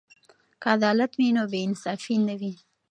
که عدالت وي نو بې انصافي نه وي.